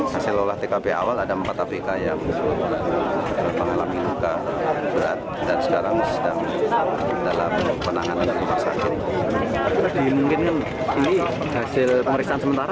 penyebabnya apa ada pertikaian api